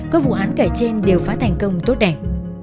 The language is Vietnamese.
các vụ án kể trên đều phá thành công tốt đẹp